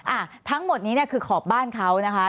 อ่ะทั้งหมดนี้เนี่ยคือขอบบ้านเขานะคะ